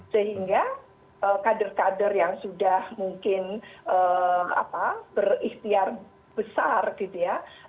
sehingga kader kader yang sudah mungkin berikhtiar besar gitu ya